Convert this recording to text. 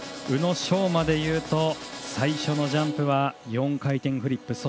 宇野昌磨でいうと最初のジャンプは４回転フリップ。